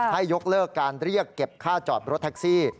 ให้ยกเลิกการเรียกเก็บค่าจอดรถแท็กซี่